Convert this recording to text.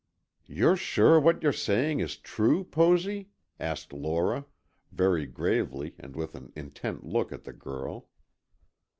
"You're sure what you are saying is true, Posy?" asked Lora, very gravely and with an intent look at the girl.